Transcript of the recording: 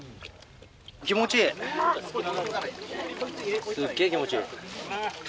気持ちいいすっげぇ気持ちいい。